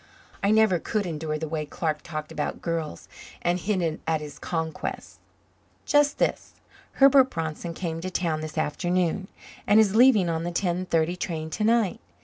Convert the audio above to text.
I never could endure the way Clark talked about girls and hinted at his conquests. "Just this. Herbert Bronson came to town this afternoon and is leaving on the 10.30 train to night.